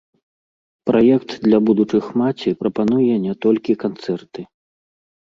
Праект для будучых маці прапануе не толькі канцэрты.